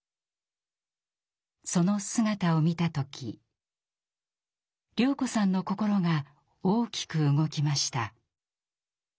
その姿を見た時綾子さんの心が大きく動きました。